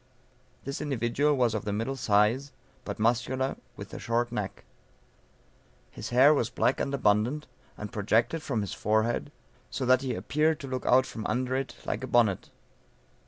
This individual was of the middle size, but muscular, with a short neck. His hair was black and abundant, and projected from his forehead, so that he appeared to look out from under it, like a bonnet.